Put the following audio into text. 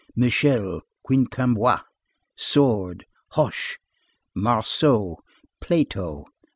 Michel. Quincampoix. Sword. Hoche. Marceau. Plato.